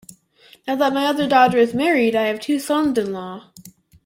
Now that my other daughter is married I have two sons-in-law.